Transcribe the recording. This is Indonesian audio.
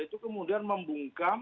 itu kemudian membungkam